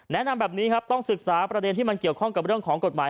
แนะนำแบบนี้ครับต้องศึกษาประเด็นที่มันเกี่ยวข้องกับเรื่องของกฎหมาย